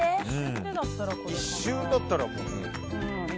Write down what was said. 一瞬だったらもう。